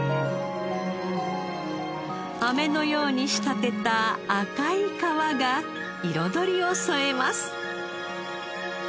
飴のように仕立てた赤い皮が彩りを添えます。